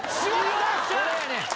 これやね・